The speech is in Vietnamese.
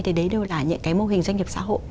thế đấy đều là những cái mô hình doanh nghiệp xã hội